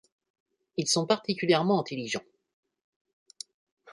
Ils sont particulièrement intelligents.